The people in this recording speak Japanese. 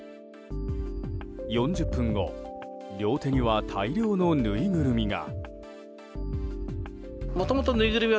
４０分後両手には大量のぬいぐるみが。